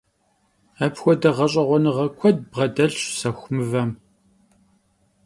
Apxuede ğeş'eğuenığe kued bğedelhş sexu mıvem!